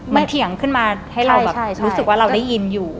มันเถียงขึ้นมาให้เราแบบรู้สึกว่าเราได้ยินอยู่